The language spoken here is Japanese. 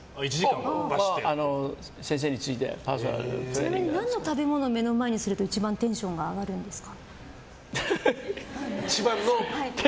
ちなみに何の食べ物を目の前にすると一番テンションが上がるんですか？